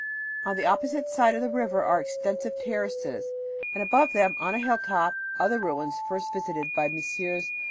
On the opposite side of the river are extensive terraces and above them, on a hilltop, other ruins first visited by Messrs.